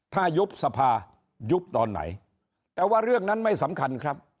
ถ้ายุบสภายุบตอนไหนแต่ว่าเรื่องนั้นไม่สำคัญครับ